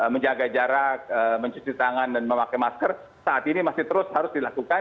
menjaga jarak mencuci tangan dan memakai masker saat ini masih terus harus dilakukan